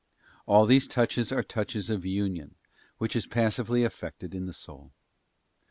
All these touches are touches of Union, which is passively effected in the soul.